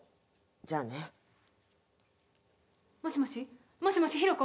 じゃあね。もしもし？もしもしヒロコ？